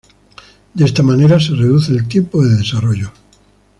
De esta manera se reduce el tiempo de desarrollo.